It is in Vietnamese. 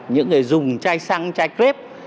những người dùng chai xăng chai crepe